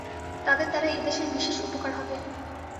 তাদের দ্বারা এদেশের বিশেষ উপকার হবে।